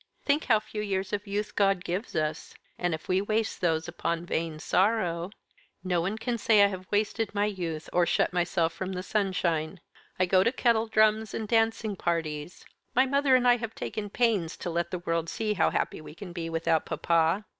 Think how few years of youth God gives us; and if we waste those upon vain sorrow " "No one can say that I have wasted my youth, or shut myself from the sunshine. I go to kettle drums and dancing parties. My mother and I have taken pains to let the world see how happy we can be without papa."